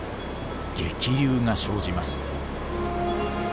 激流が生じます。